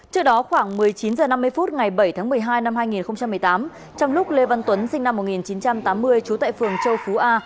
trước đó khoảng một mươi chín h năm mươi phút ngày bảy tháng một mươi hai năm hai nghìn một mươi tám trong lúc lê văn tuấn sinh năm một nghìn chín trăm tám mươi trú tại phường châu phú a